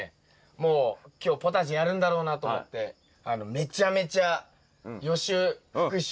もう今日ポタジェやるんだろうなと思ってめちゃめちゃすごい。